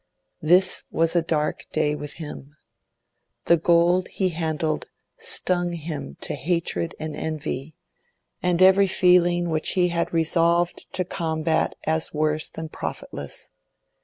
This was a dark day with him. The gold he handled stung him to hatred and envy, and every feeling which he had resolved to combat as worse than profitless.